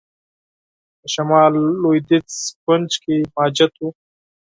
د شمال لوېدیځ کونج کې مسجد و.